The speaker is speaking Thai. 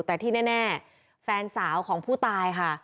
แต่ที่แน่แฟนสาวของผู้ตายค่ะ